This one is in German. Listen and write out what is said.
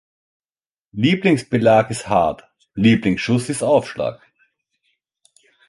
Lieblingsbelag ist hart; Lieblingsschuss ist Aufschlag.